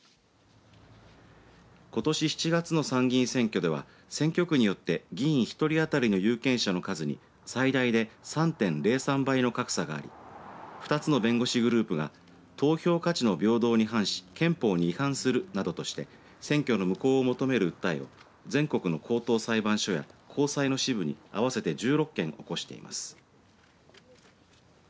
ことし７月の参議院選挙では選挙区によって議員１人当たりの有権者の数に最大で３．０３倍の格差があり２つの弁護士グループが投票価値の平等に反し憲法に違反するなどとして選挙の無効を求める訴えを全国の高等裁判所や高裁の支部に合わせて１６件起こしています。